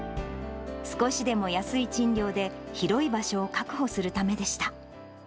少しでも安い賃料で広い場所を確保するためでした。